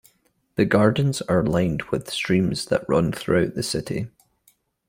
The gardens are lined with streams that run throughout the city.